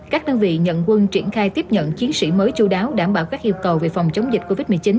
các đơn vị nhận quân triển khai tiếp nhận chiến sĩ mới chú đáo đảm bảo các yêu cầu về phòng chống dịch covid một mươi chín